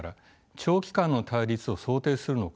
長期間の対立を想定するのか。